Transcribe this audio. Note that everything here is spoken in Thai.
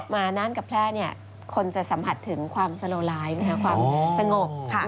นั่นกับแพร่คนจะสัมผัสถึงความสโลไลฟ์ความสงบ